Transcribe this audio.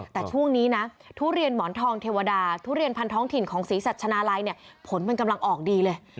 แต่ช่วงนี้นะทุเรียนหมอนทองเทวดาทุเรียนพันท้องถิ่นของศรีสัชนาลัยเนี่ยผลมันกำลังออกดีเลย